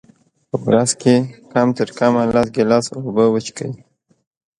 په ورځ کي کم ترکمه لس ګیلاسه اوبه وچیښئ